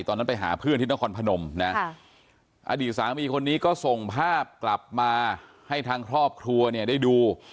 ตอนนั้นไปหาเพื่อนที่นครพนมนะอดีตสามีคนนี้ก็ส่งภาพกลับมาให้ทางครอบครัวเนี่ยได้ดู